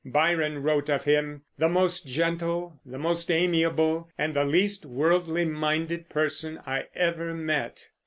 Byron wrote of him, "The most gentle, the most amiable, and the least worldly minded person I ever met!"